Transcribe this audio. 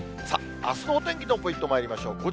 さあ、あすのお天気のポイントまいりましょう。